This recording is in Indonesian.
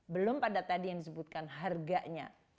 belum pada tadi yang disebutkan harganya